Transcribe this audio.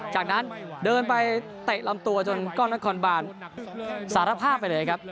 จากนั้นเดินไปเตะลำตัวจนกล้องนครบานสารภาพไปเลยครับ